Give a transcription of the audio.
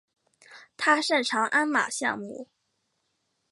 他擅长鞍马项目。